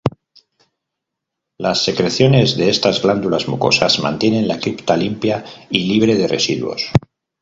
Las secreciones de estas glándulas mucosas mantienen la cripta limpia y libre de residuos.